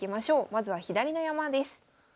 まずは左の山です。